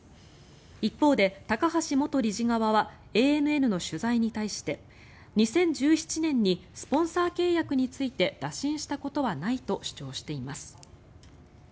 一方で高橋元理事側はＡＮＮの取材に対して２０１７年にスポンサー契約について打診したことはないと主張しています。